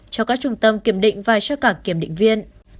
cho các trung tâm kiểm định và cho cảng kiểm định viên